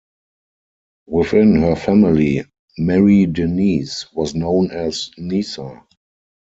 Within her family, Marie-Denise was known as Nisa.